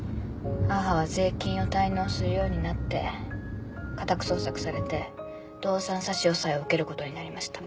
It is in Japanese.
母は税金を滞納するようになって家宅捜索されて動産差し押さえを受けることになりました。